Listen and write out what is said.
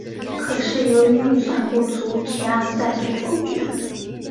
可是由于预算不足提案再度否决。